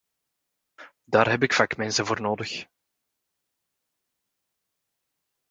Daar heb ik vakmensen voor nodig.